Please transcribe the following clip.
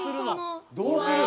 「どうするの？」